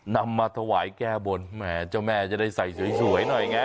นำมาถวายแก้บนแหมเจ้าแม่จะได้ใส่สวยหน่อยไง